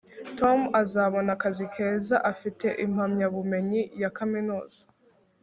tom azabona akazi keza afite impamyabumenyi ya kaminuza